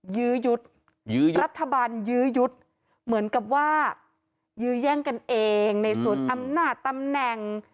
ยื้อยุดยื้อรัฐบาลยื้อยุดเหมือนกับว่ายื้อแย่งกันเองในส่วนอำนาจตำแหน่ง